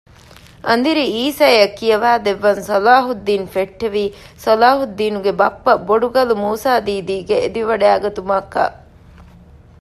އަނދިރި އީސައަށް ކިޔަވައިދެއްވަން ޞަލާޙުއްދީނު ފެއްޓެވީ ޞަލާހުއްދީނުގެ ބައްޕަ ބޮޑުގަލު މޫސާ ދީދީގެ އެދިވަޑައިގަތުމަކަށް